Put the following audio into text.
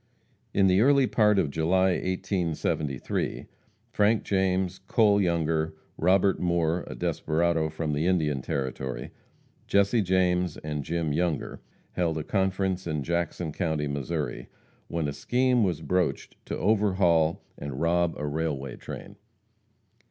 In the early part of July, 1873, Frank James, Cole Younger, Robert Moore, a desperado from the Indian Territory, Jesse James and Jim Younger, held a conference in Jackson county, Missouri, when a scheme was broached to overhaul and rob a railway train.